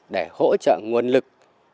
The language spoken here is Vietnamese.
để hỗ trợ nguồn lực